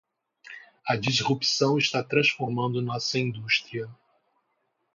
A disrupção está transformando nossa indústria.